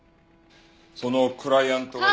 そのクライアントがいる。